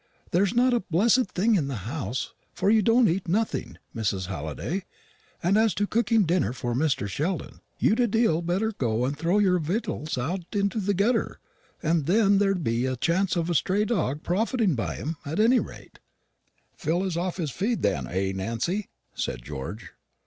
There's not a blessed thing in the house; for you don't eat nothing, Mrs. Halliday; and as to cooking a dinner for Mr. Sheldon, you'd a deal better go and throw your victuals out into the gutter, for then there'd be a chance of stray dogs profiting by 'em, at any rate." "Phil is off his feed, then; eh, Nancy?" said George.